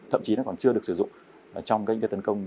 thậm chí nó còn chưa được sử dụng trong các cái tấn công